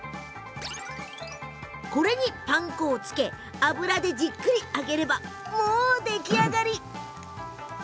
パン粉をつけ、油でじっくり揚げれば出来上がり。